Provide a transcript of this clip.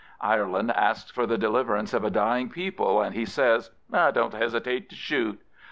Ireland asks for the deliverance of a dying people, and he says, Don't hesitate to shoot.